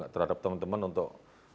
terhadap teman teman untuk